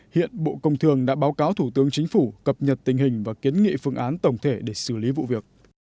hiện bộ công thường đã báo cáo thủ tướng chính phủ cập nhật tình hình và kiến nghị phương án tổng thể để xử lý vụ việc